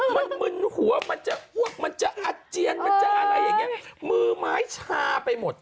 มันมึนหัวมันจะอ้วกมันจะอาเจียนมันจะอะไรอย่างนี้มือไม้ชาไปหมด